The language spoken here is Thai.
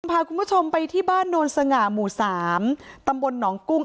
พาคุณผู้ชมไปที่บ้านโนนสง่าหมู่๓ตำบลหนองกุ้ง